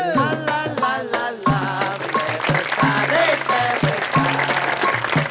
ลาลาลาลาลาบุญแบบสาบินแบบสา